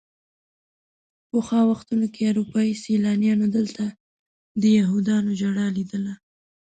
پخوا وختونو کې اروپایي سیلانیانو دلته د یهودیانو ژړا لیدله.